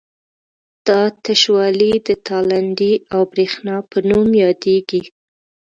دا تشوالی د تالندې او برېښنا په نوم یادیږي.